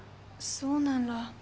そうなんら。